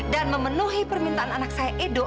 dan memenuhi permintaan anak saya edo